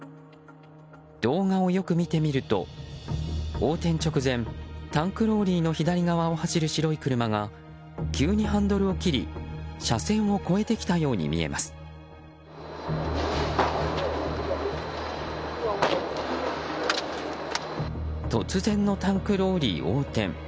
動画をよく見てみると横転直前タンクローリーの左側を走る白い車が急にハンドルを切り突然のタンクローリー横転。